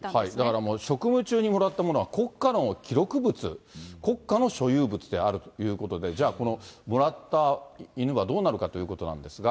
だからもう職務中にもらったものは、国家の記録物、国家の所有物であるということで、じゃあ、このもらった犬はどうなるかということなんですが。